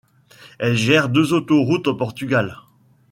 Elle gère deux autoroutes au Portugal.